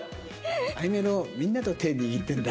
あいめろみんなと手握ってんだ。